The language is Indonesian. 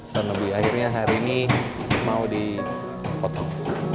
setahun lebih akhirnya hari ini mau dipotong